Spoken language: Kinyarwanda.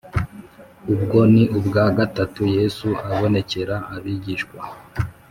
Ubwo ni ubwa gatatu Yesu abonekera abigishwa